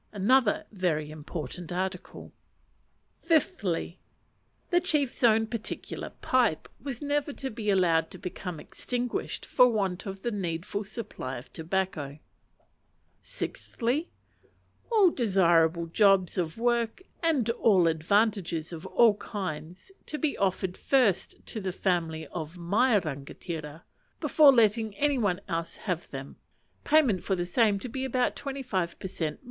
(Another very important article.) Fifthly. The chief's own particular pipe was never to be allowed to become extinguished for want of the needful supply of tobacco. Sixthly. All desirable jobs of work, and all advantages of all kinds, to be offered first to the family of my rangatira, before letting any one else have them; payment for same to be about 25 per cent.